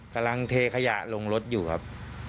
กำลังเทขยะลงรถอยู่ครับ